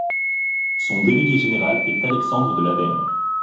Son délégué général est Alexandre de Lavergne.